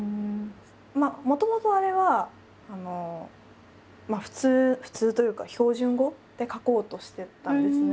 もともとあれは普通普通というか標準語で書こうとしてたんですね。